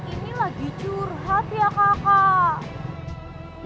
ini lagi curhat ya kakak